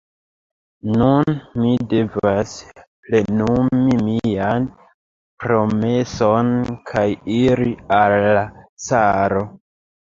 Nun mi devas plenumi mian promeson, kaj iri al la caro.